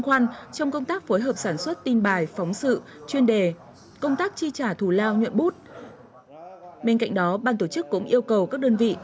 hoàn toàn có thể đánh giá được sự tiến bộ phát triển